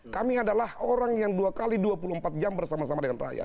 kami adalah orang yang dua x dua puluh empat jam bersama sama dengan rakyat